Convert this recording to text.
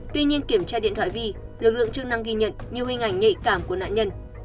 tuy nhiên kiểm tra điện thoại vi lực lượng chức năng ghi nhận nhiều hình ảnh nhạy cảm của nạn nhân